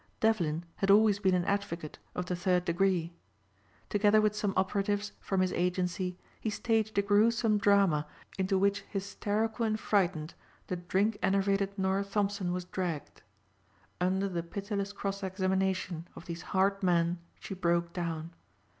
Devlin had always been an advocate of the third degree. Together with some operatives from his agency he staged a gruesome drama into which hysterical and frightened the drink enervated Norah Thompson was dragged. Under the pitiless cross examination of these hard men she broke down.